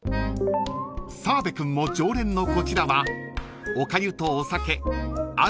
［澤部君も常連のこちらは］